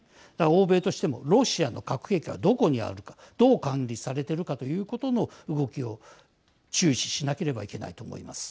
欧米としてもロシアの核兵器はどこにあるかどう管理されているかということの動きを注視しなければいけないと思います。